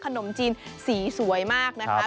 ขนมจีนสีสวยมากนะคะ